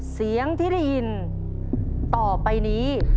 เสียงที่ได้ยินต่อไปนี้